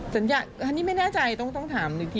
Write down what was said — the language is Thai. สัญญาอันนี้ไม่แน่ใจต้องถามอีกที